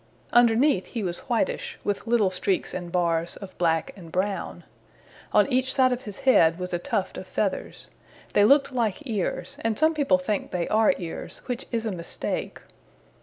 Underneath he was whitish, with little streaks and bars of black and brown. On each side of his head was a tuft of feathers. They looked like ears and some people think they are ears, which is a mistake.